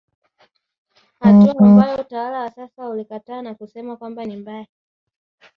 hatua ambayo utawala wa sasa ulikataa na kusema kwamba ni mbaya